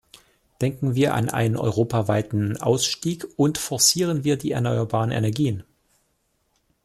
Denken wir an einen europaweiten Ausstieg und forcieren wir die erneuerbaren Energien!